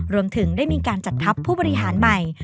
รวมถึงได้มีการจัดทัพผู้บริหารใหม่